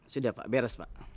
sudah pak beres pak